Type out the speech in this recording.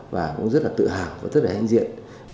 và cũng rất là tự hào và rất là hen diện